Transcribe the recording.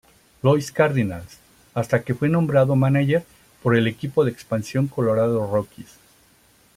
Louis Cardinals hasta que fue nombrado mánager por el equipo de expansión Colorado Rockies.